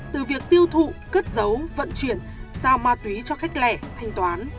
từ việc tiêu thụ cất giấu vận chuyển giao ma túy cho khách lẻ thanh toán